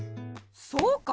そうか！